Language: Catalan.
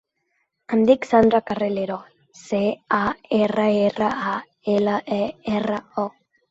Em dic Sandra Carralero: ce, a, erra, erra, a, ela, e, erra, o.